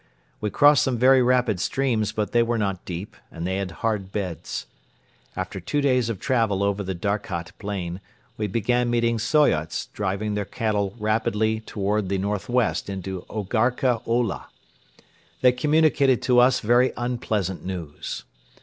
We crossed some very rapid streams but they were not deep and they had hard beds. After two days of travel over the Darkhat plain we began meeting Soyots driving their cattle rapidly toward the northwest into Orgarkha Ola. They communicated to us very unpleasant news.